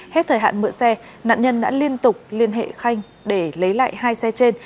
hết thời hạn mượn xe nạn nhân đã liên tục liên hệ khanh để lấy lại hai xe trên